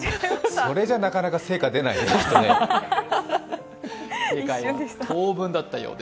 それじゃなかなか成果出ないよね、きっと。